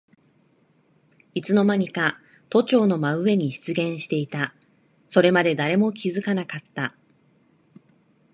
いつのまにか都庁の真上に出現していた。それまで誰も気づかなかった。